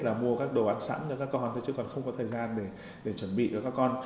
là mua các đồ ăn sẵn cho các con thôi chứ còn không có thời gian để chuẩn bị cho các con